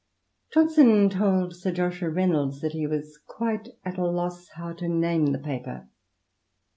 Johnson told Sir Joshua Reynolds that he was quite at a loss how to name the paper.